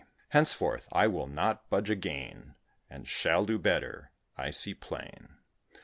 Henceforth I will not budge again, And shall do better, I see plain."